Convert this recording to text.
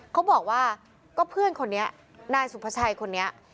เขาบอกว่าก็เพื่อนคนนี้นายสุภาชัยคนนี้